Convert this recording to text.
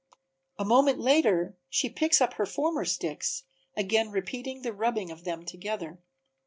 A moment later and she picks up her former sticks, again repeating the rubbing of them together.